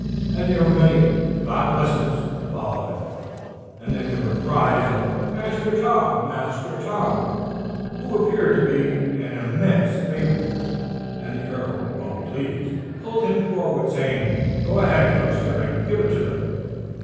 And there were many "God bless 'ims!" to follow it, and then there were cries of "Master Tom, Master Tom," who appeared to be an immense favourite; and the earl, well pleased, pulled him forward, saying, "Go ahead, youngster, and give it to them."